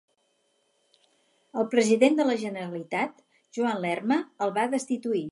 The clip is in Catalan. El president de la Generalitat, Joan Lerma, el va destituir.